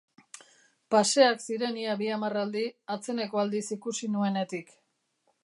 Paseak ziren ia bi hamarraldi atzeneko aldiz ikusi nuenetik.